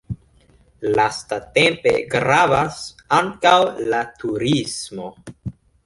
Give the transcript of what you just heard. Lastatempe gravas ankaŭ la turismo.